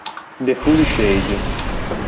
The Foolish Age